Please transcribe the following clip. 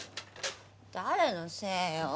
誰のせいよ。